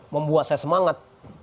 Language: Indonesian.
membuat saya semangat